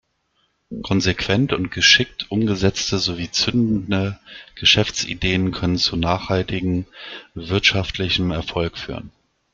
Konsequent und geschickt umgesetzte sowie zündende Geschäftsideen können zu nachhaltigem wirtschaftlichem Erfolg führen.